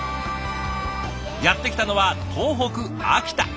やって来たのは東北秋田。